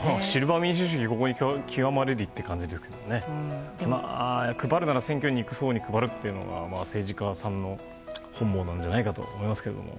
シルバー民主主義がここに極まれりという感じで配るから選挙に行く層に配るというのは政治家さんの本望なんじゃないかと思いますけど。